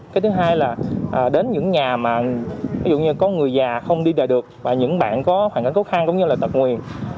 cái thứ hai là đến những nhà mà ví dụ như có người già không đi đời được và những bạn có hoàn cảnh khó khăn cũng như là tật nguyền